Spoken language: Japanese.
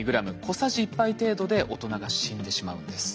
小さじ１杯程度で大人が死んでしまうんです。